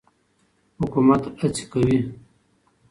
حکومت هڅې کوي.